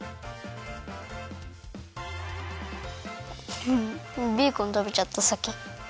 フフッベーコンたべちゃったさき。